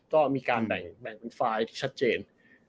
ก็มีการแบ่งเป็นไฟล์ที่ชัดเจน